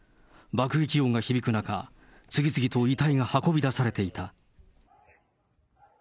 爆撃音が響く中、次々と遺体が運び出されていた。